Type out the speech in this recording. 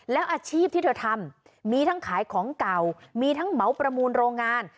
แล้วอาชีพที่เธอทำมีทั้งขายของเก่ามีทั้งเหมาประมูลโรงงาน